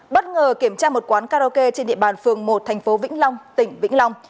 bất ngờ kiểm tra một quán karaoke trên địa bàn phường một thành phố vĩnh long tỉnh vĩnh long